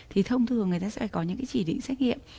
thì thông thường người ta sẽ có những chỉ định xét nghiệm